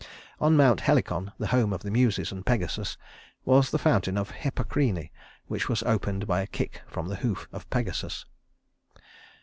On Mount Helicon, the home of the Muses and Pegasus, was the fountain Hippocrene, which was opened by a kick from the hoof of Pegasus.